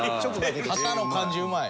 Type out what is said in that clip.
肩の感じうまい。